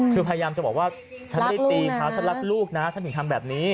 คือพยายามจะบอกว่าฉันไม่ได้ตีเขาฉันรักลูกนะฉันถึงทำแบบนี้